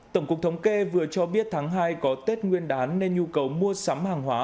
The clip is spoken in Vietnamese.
tổng cục thống kê vừa cho biết tháng hai có tết nguyên đán nên nhu cầu mua sắm hàng hóa